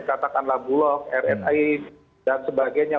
katakanlah bulog rsi dan sebagainya